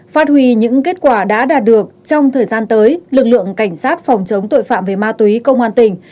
phát huy những kết quả đã đạt được trong thời gian tới lực lượng cảnh sát phòng chống tội phạm về ma túy công an tỉnh